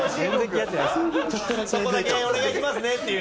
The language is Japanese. そこだけお願いしますねっていう。